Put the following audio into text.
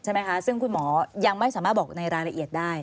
ใช่ไหมคะซึ่งคุณหมอยังไม่สามารถบอกในรายละเอียดได้